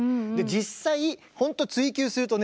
実際ほんと追求するとね